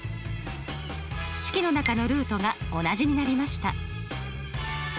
式の中のルートが同じになりました。